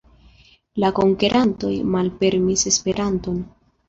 La konkerantoj malpermesis Esperanton.